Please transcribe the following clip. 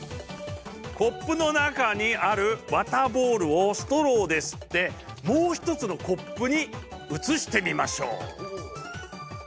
コップの中にある綿ボールをストローで吸ってもう一つのコップに移してみましょう。